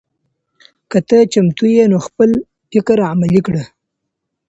که ته چمتو یې نو خپل فکر عملي کړه.